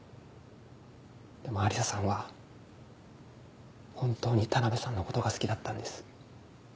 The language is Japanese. でもアリサさんは本当に田辺さんのことが好きだったんです。